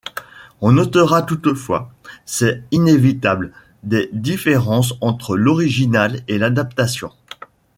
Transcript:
On notera toutefois, c’est inévitable, des différences entre l’original et l’adaptation.